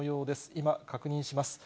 今、確認します。